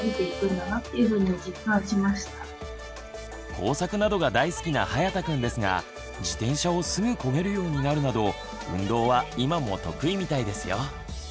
工作などが大好きなはやたくんですが自転車をすぐこげるようになるなど運動は今も得意みたいですよ。